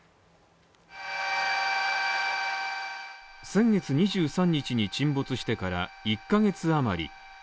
先月２３日に沈没してから１ヶ月余り。